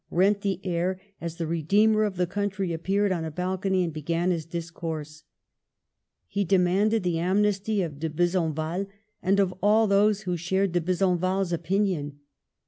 rent the air, as the re deemer of the country appeared on a balcony and began his discourse. He demanded the amnesty of De Besenval and of all those who shared De Besenval's opinion.